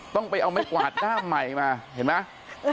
ต้องไปเอาไม้กวาดหน้าใหม่มาเห็นไหม